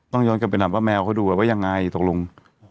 ย้อนกลับไปถามว่าแมวเขาดูว่ายังไงตกลง